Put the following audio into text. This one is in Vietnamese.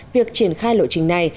việc triển khai lộ trình này